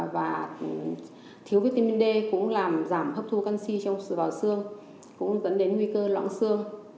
và thiếu vitamin d cũng làm giảm hấp thu căn si vào xương cũng dẫn đến nguy cơ loãng xương